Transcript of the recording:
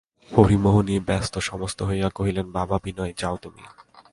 হরিমোহিনী ব্যস্তসমস্ত হইয়া কহিলেন, বাবা বিনয়, যাও তুমি।